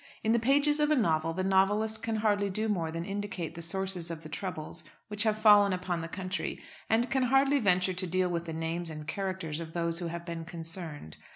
In the pages of a novel the novelist can hardly do more than indicate the sources of the troubles which have fallen upon the country, and can hardly venture to deal with the names and characters of those who have been concerned.